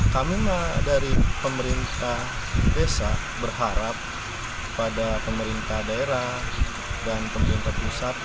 kami dari pemerintah desa berharap kepada pemerintah daerah dan pemerintah pusat